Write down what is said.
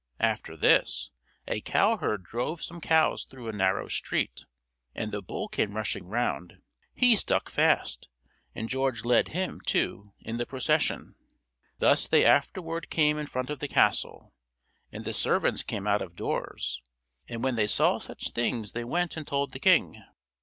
After this, a cowherd drove some cows through a narrow street, and the bull came rushing round; he stuck fast, and George led him, too, in the procession. Thus they afterward came in front of the castle, and the servants came out of doors; and when they saw such things they went and told the king.